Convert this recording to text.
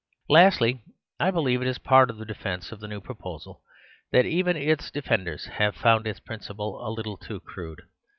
Lastly, I believe it is part of the defence of the new proposal that even its defenders have found its principle a little too crude.